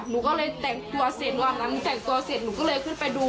หนูก็เลยแต่งตัวเสร็จวันนั้นแต่งตัวเสร็จหนูก็เลยขึ้นไปดู